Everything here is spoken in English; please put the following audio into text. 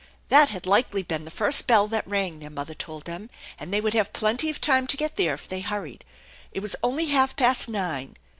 That had likely been the first bell that rang, their mother told them, and they would have plenty of time to get there if they hurried. It was only half past nine.